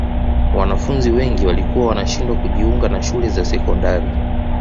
wanafunzi wengi walikuwa wanashindwa kujiunga na shule za sekondari